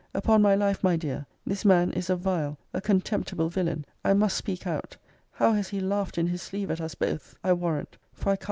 Upon my life, my dear, this man is a vile, a contemptible villain I must speak out! How has he laughed in his sleeve at us both, I warrant, for I can't tell how long!